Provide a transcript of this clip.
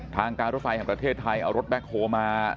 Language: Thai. ทางการรถไฟแห่งประเทศไทยเอารถแบ็คโฮลมา